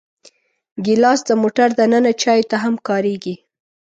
ګیلاس د موټر دننه چایو ته هم کارېږي.